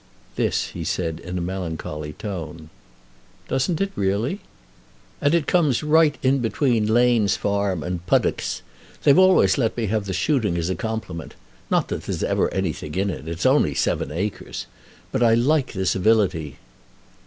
This he said in a melancholy tone. "Doesn't it, really?" "And it comes right in between Lane's farm and Puddock's. They've always let me have the shooting as a compliment. Not that there's ever anything in it. It's only seven acres. But I like the civility."